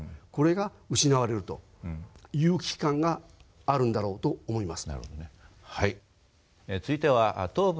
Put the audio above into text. これが失われるという危機感があるんだろうと思います。